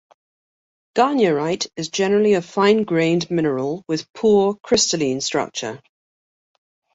Garnierite is generally a fine grained mineral with poor crystalline structure.